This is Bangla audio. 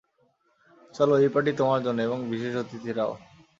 চলো, এই পার্টি তোমার জন্য, এবং বিশেষ অতিথিরাও।